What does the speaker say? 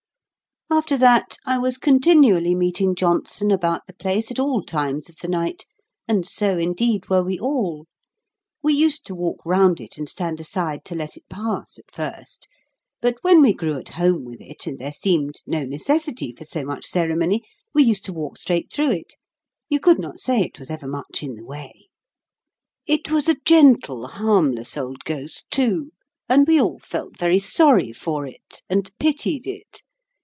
After that, I was continually meeting Johnson about the place at all times of the night, and so, indeed, were we all. We used to walk round it and stand aside to let it pass, at first; but, when we grew at home with it, and there seemed no necessity for so much ceremony, we used to walk straight through it. You could not say it was ever much in the way. It was a gentle, harmless, old ghost, too, and we all felt very sorry for it, and pitied it.